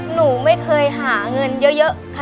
หนูรู้สึกดีมากเลยค่ะ